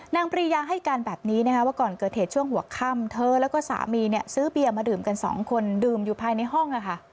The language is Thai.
นางพรียาให้กันแบบนี้นะว่าก่อนเกิดเถชช่วงหัวค่ำเธอแล้วก็สามีเนี่ยซื้อเบียงมาดื่มกัน๒คนดื่มอยู่ภายในห้อง